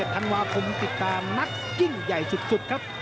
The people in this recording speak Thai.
ธันวาคมติดตามนัดยิ่งใหญ่สุดครับ